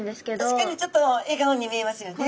確かにちょっとえがおに見えますよね。